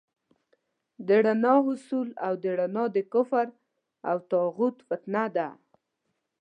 د رڼا حصول او رڼا د کفر او طاغوت فتنه ده.